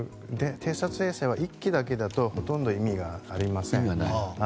偵察衛星は１基だけだとほとんど意味がありません。